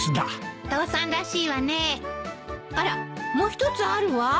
あらもう一つあるわ。